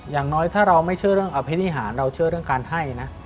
อย่างน้อยถ้าเราไม่เชื่อเรื่องอภินิหารเราเชื่อเรื่องการให้นะ